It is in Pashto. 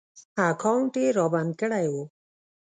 اکاونټ ېې رابند کړی و